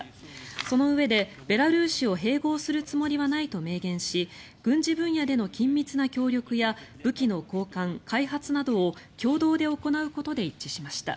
そのうえでベラルーシを併合するつもりはないと明言し軍事分野での緊密な協力や武器の交換・開発などを共同で行うことで一致しました。